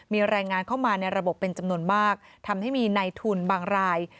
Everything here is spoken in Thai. มีรายงานเข้ามาในระบบเป็นจำนวนมากทำให้มีในทุนบางราย